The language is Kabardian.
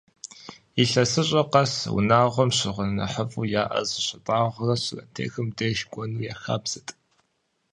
Илъэсыщӏэ къэс унагъуэм щыгъын нэхъыфӏу яӏэр зыщатӏагъэурэ, сурэттехым деж кӏуэхэу я хабзэт.